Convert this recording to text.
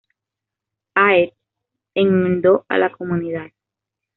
Áed enmendó a la comunidad.